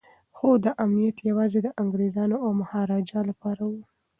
خو دا امنیت یوازې د انګریزانو او مهاراجا لپاره و.